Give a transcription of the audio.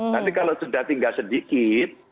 nanti kalau sudah tinggal sedikit